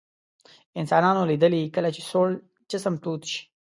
انسانانو لیدلي کله چې سوړ جسم تود شي.